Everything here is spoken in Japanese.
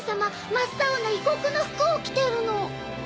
真っ青な異国の服を着てるの。